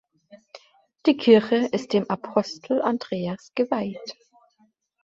Die Kirche ist dem Apostel Andreas geweiht.